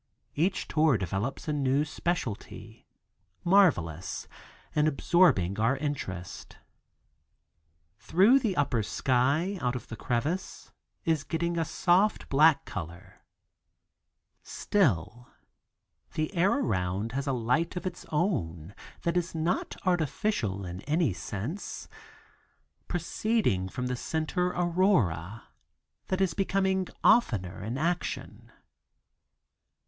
Each tour develops a new specialty, marvelous and absorbing our interest. Though the upper sky, out of the crevasse, is getting a soft black color, still the air around has a light of its own that is not artificial in any sense—proceeding from the center aurora, that is becoming oftener in action.